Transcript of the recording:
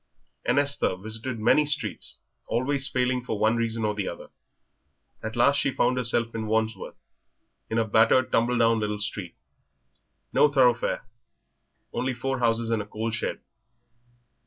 And Esther visited many streets, always failing for one reason or another. At last she found herself in Wandsworth, in a battered tumble down little street, no thoroughfare, only four houses and a coal shed.